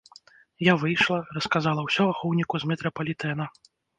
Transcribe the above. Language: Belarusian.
Я выйшла, расказала ўсё ахоўніку з метрапалітэна.